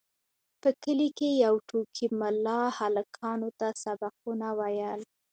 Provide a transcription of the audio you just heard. په کلي کې یو ټوکي ملا هلکانو ته سبقونه ویل.